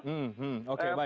hmm hmm oke baik